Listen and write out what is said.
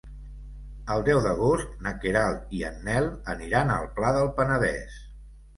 El deu d'agost na Queralt i en Nel aniran al Pla del Penedès.